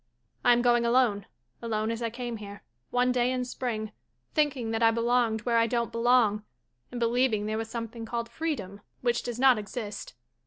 I am going alone, alone as I came here, one day in Spring, thinking that I belonged where I don't belong, and believing there was something called freedom, which does not exist.